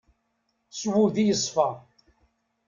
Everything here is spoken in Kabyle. S wudi yeṣfa.